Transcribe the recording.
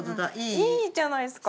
いいじゃないですか？